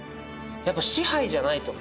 やっぱ支配じゃないと。